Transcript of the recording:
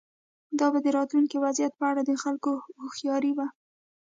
دا به د راتلونکي وضعیت په اړه د خلکو هوښیاري وه.